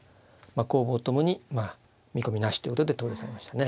攻防ともにまあ見込みなしということで投了されましたね。